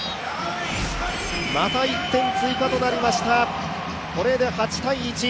また１点追加となりました、これで８−１。